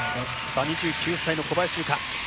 ２９歳の小林諭果。